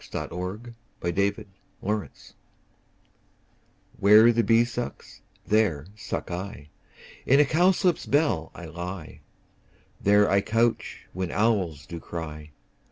Fairy Land iv WHERE the bee sucks, there suck I: In a cowslip's bell I lie; There I couch when owls do cry.